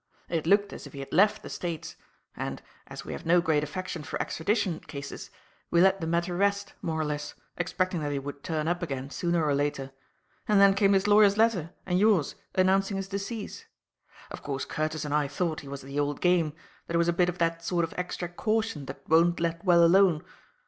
It looked, as if he had left the States, and, as we have no great affection for extradition cases, we let the matter rest, more or less, expecting that he would turn up again, sooner or later. And then came this lawyer's letter and yours, announcing his decease. Of course Curtis and I thought he was at the old game; that it was a bit of that sort of extra caution that won't let well alone.